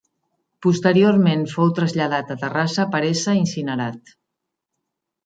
Posteriorment fou traslladat a Terrassa per ésser incinerat.